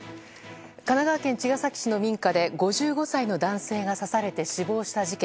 神奈川県茅ヶ崎市の民家で５５歳の男性が刺されて死亡した事件。